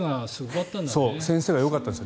先生がよかったんです